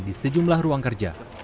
di sejumlah ruang kerja